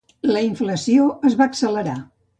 La inflació es va accelerar.